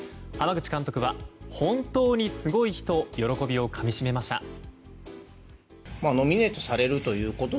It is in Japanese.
濱口監督は本当にすごい日と喜びをかみしめました。